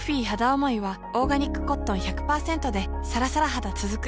おもいはオーガニックコットン １００％ でさらさら肌つづく